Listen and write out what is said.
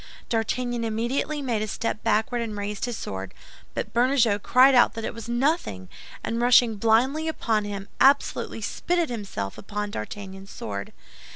D'Artagnan immediately made a step backward and raised his sword; but Bernajoux cried out that it was nothing, and rushing blindly upon him, absolutely spitted himself upon D'Artagnan's sword.